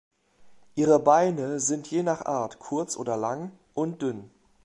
Ihre Beine sind je nach Art kurz oder lang und dünn.